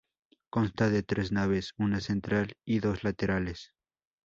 Consta de tres naves, una central y dos laterales.